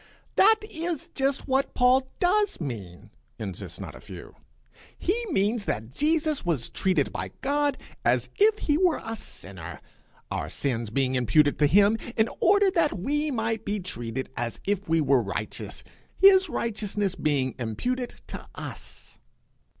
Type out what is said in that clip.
'That is just what Paul does mean,' insist not a few. 'He means that Jesus was treated by God as if he were a sinner, our sins being imputed to him, in order that we might be treated as if we were righteous, his righteousness being imputed to us.'